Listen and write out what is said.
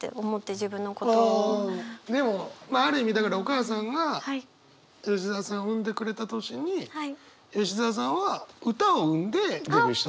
でもある意味だからお母さんが吉澤さんを産んでくれた年に吉澤さんは歌を生んでデビューしたわけでしょ？